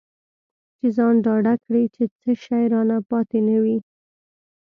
چې ځان ډاډه کړي چې څه شی رانه پاتې نه وي.